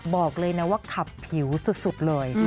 บอกเลยนะว่าขับผิวสุดเลย